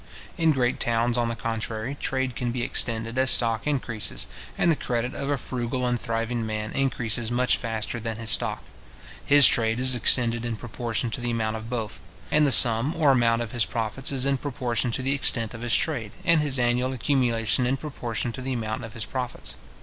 In great towns, on the contrary, trade can be extended as stock increases, and the credit of a frugal and thriving man increases much faster than his stock. His trade is extended in proportion to the amount of both; and the sum or amount of his profits is in proportion to the extent of his trade, and his annual accumulation in proportion to the amount of his profits.